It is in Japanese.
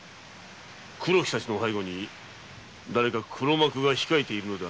黒木たちの背後にだれか黒幕が控えているのでは？